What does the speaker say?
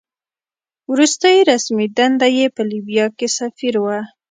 وروستۍ رسمي دنده یې په لیبیا کې سفیر وه.